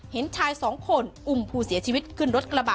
เห็นชายสองคนอุ้มผู้เสียชีวิตขึ้นรถกระบะ